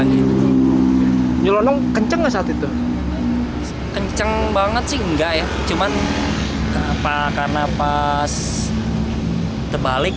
nyelonong kenceng saat itu kenceng banget sih enggak ya cuman apa karena pas terbalik